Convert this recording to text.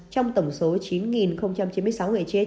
trong tổng số chín chín mươi sáu người chết